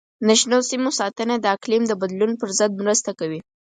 د شنو سیمو ساتنه د اقلیم د بدلون پر ضد مرسته کوي.